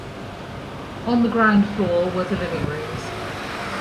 On the ground floor were the living rooms.